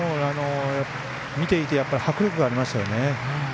見ていて迫力がありましたね。